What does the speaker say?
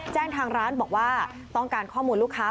แจ้งทางร้านบอกว่าต้องการข้อมูลลูกค้า